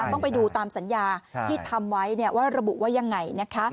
ต้องไปดูตามสัญญาที่ทำไว้ว่าระบุว่ายังไงนะคะ